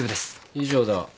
以上だ。